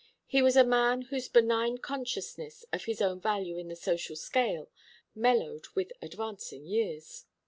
He was a man whose benign consciousness of his own value in the social scale mellowed with advancing years.